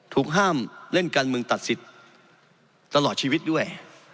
ห้ามเล่นการเมืองตัดสิทธิ์ตลอดชีวิตด้วย